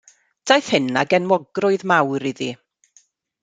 Daeth hyn ag enwogrwydd mawr iddi.